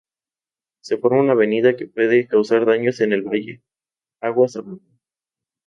Se forma una avenida que puede causar daños en el valle, aguas abajo.